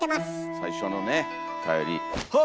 最初のねおたよりほっ。